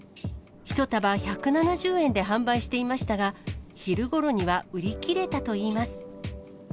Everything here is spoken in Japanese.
１束１７０円で販売していましたが、昼ごろには売り切れたといいます。